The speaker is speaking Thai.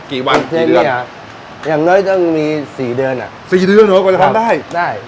กี่วันเพลงเนี่ยอย่างน้อยต้องมีสี่เดือนอ่ะสี่เดือนหนูกว่าจะทำได้ได้